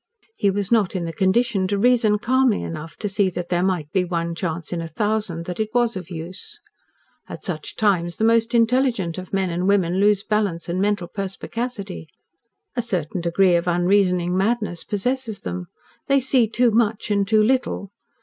He was not in the condition to reason calmly enough to see that there might be one chance in a thousand that it was of use. At such times the most intelligent of men and women lose balance and mental perspicacity. A certain degree of unreasoning madness possesses them. They see too much and too little.